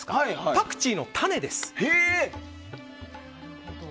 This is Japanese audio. パクチーの種です。